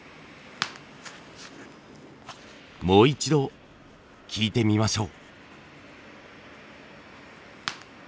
もう一度聞いてみましょう。